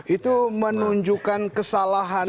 itu menunjukkan kesalahan